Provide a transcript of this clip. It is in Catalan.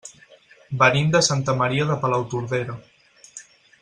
Venim de Santa Maria de Palautordera.